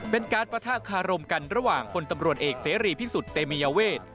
ปะทะคารมกันระหว่างคนตำรวจเอกเสรีพิสุทธิ์เตมียเวท